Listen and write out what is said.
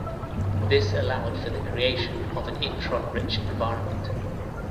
This allowed for the creation of an intron rich environment.